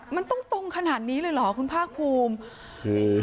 มันตรงขนาดนี้เลยหรือคุณภาคภูมิ